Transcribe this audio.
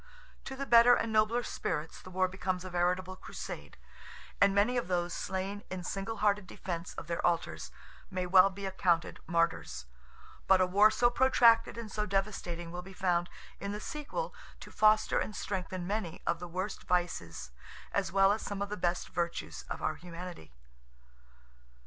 To the better and nobler spirits the war becomes a veritable crusade, and many of those slain in single hearted defence of their altars may well be accounted martyrs—but a war so protracted and so devastating will be found, in the sequel, to foster and strengthen many of the worst vices as well as some of the best virtues of our humanity.